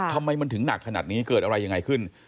ทำไมมันถึงหนักขนาดนี้เกิดอะไรยังไงขึ้น